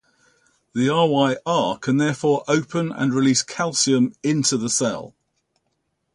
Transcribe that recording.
The RyR can therefore open and release calcium into the cell.